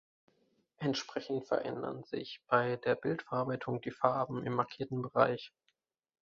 Entsprechend verändern sich bei der Bildverarbeitung die Farben im markierten Bereich.